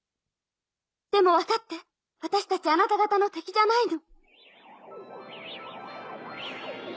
でも分かって私たちあなた方の敵じゃないの。